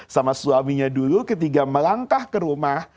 sama suaminya dulu ketika melangkah ke rumah